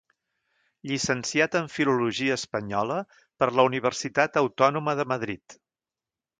Llicenciat en Filologia Espanyola per la Universitat Autònoma de Madrid.